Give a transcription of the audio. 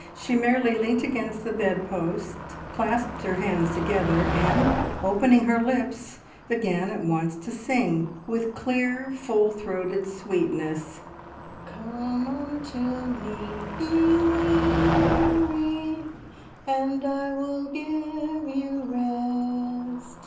She merely leant against the bed post, clasped her hands together, and, opening her lips, began at once to sing, with clear, full throated sweetness "`Come unto Me, ye weary, And I will give you rest!'"